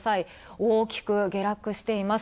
大きく下落しています。